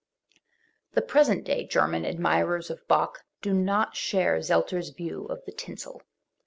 The present day German admirers of Bach do not, share Zelter's view of the "tinsel".